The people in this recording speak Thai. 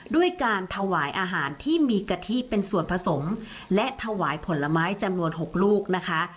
ด้วยการถวายอาหารที่มีกะทิเป็นส่วนผสมและถวายผลไม้จำนวน๖ลูกนะคะ